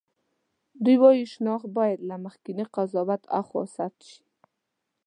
دوی وايي شناخت باید له مخکېني قضاوت هاخوا ثبت شي.